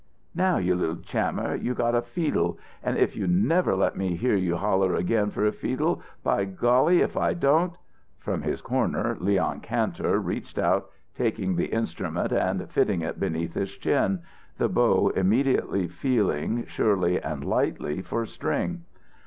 "Now, you little Chammer, you got a feedle, and if you ever let me hear you holler again for a feedle, by golly if I don't " From his corner, Leon Kantor reached out, taking the instrument and fitting it beneath his chin, the bow immediately feeling, surely and lightly for string.